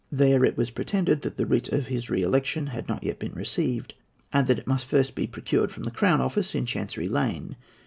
There it was pretended that the writ of his re election had not yet been received, and that it must first be procured from the Crown Office, in Chancery Lane.